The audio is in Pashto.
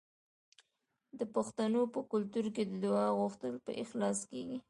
د پښتنو په کلتور کې د دعا غوښتل په اخلاص کیږي.